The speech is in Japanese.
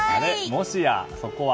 もしやそこは。